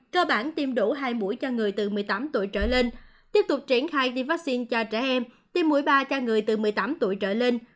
cơ bản tiêm đủ hai mũi cho người từ một mươi tám tuổi trở lên tiếp tục triển khai tiêm vaccine cho trẻ em tiêm mũi ba cho người từ một mươi tám tuổi trở lên